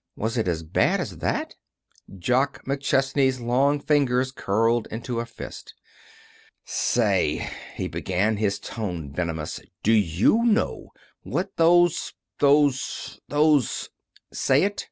"Was it as bad as that?" Jock McChesney's long fingers curled into a fist. "Say," he began, his tone venomous, "do you know what those those those " "Say it!"